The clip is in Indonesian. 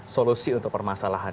solusi untuk permasalahan